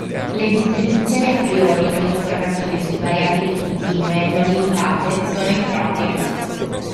Le distribuzioni a priori non informative su variabili continue, non limitate sono improprie.